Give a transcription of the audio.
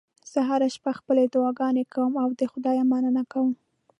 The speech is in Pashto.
زه هره شپه خپلې دعاګانې کوم او د خدای مننه کوم